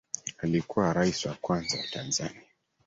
Alikuwa Rais wa kwanza wa Tanzania